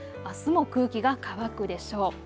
あすも空気が乾くでしょう。